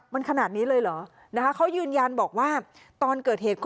มันขนาดนี้เลยเหรอนะคะเขายืนยันบอกว่าตอนเกิดเหตุก็